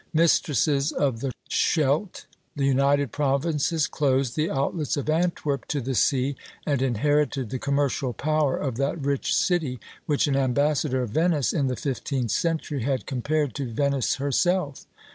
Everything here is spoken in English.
Mistresses of the Scheldt, the United Provinces closed the outlets of Antwerp to the sea, and inherited the commercial power of that rich city, which an ambassador of Venice in the fifteenth century had compared to Venice herself.